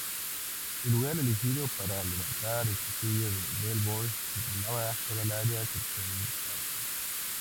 El lugar elegido para levantar el castillo de Belvoir dominaba toda el área circundante.